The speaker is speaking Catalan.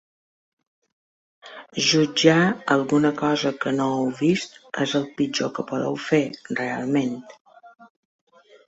Jutjar alguna cosa que no heu vist és el pitjor que podeu fer, realment.